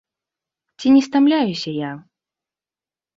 Ці не стамляюся я?